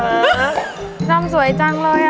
อารมณ์สวยจังเลยอะ